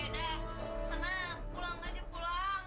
dah sana pulang aja pulang